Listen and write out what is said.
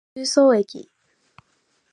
十三駅